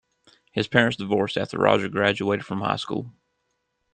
His parents divorced after Roger graduated from high school.